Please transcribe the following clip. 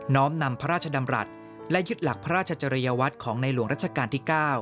้อมนำพระราชดำรัฐและยึดหลักพระราชจริยวัตรของในหลวงรัชกาลที่๙